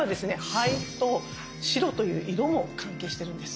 肺と白という色も関係してるんです。